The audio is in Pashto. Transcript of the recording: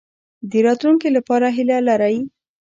د راتلونکي لپاره هیله لرئ؟